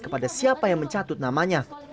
kepada siapa yang mencatut namanya